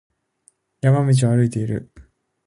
山道を歩いている。